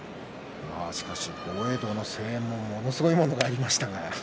豪栄道への声援はものすごいものがありましたね。